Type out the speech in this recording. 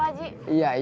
maaf pak haji